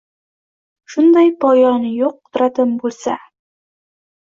Shunday poyoni yo’q qudratim bo’lsa.